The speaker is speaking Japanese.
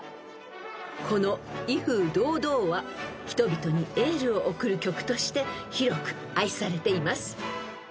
［この『威風堂々』は人々にエールを送る曲として広く愛されています］